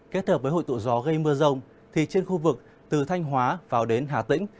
kết hợp với hội tụ gió gây mưa rông thì trên khu vực từ thanh hóa vào đến hà tĩnh